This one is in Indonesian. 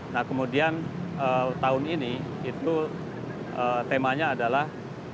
nah kemudian tahun ini itu temanya adalah